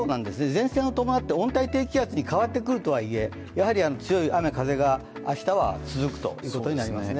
前線を伴って温帯低気圧に変わってくるとは言え、明日は続くということになりますね。